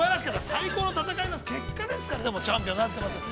最高の戦いの結果でチャンピオンになって今から。